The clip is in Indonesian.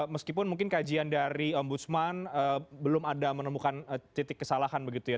meskipun mungkin kajian dari ombudsman belum ada menemukan titik kesalahan begitu ya